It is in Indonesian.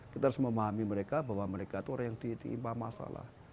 kita harus memahami mereka bahwa mereka itu orang yang ditimpa masalah